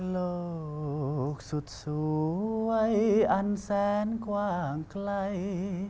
โลกสุดสวยอันแสนกว้างไกล